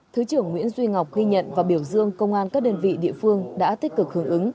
thứ trưởng nguyễn duy ngọc ghi nhận và biểu dương công an các đơn vị địa phương đã tích cực hướng ứng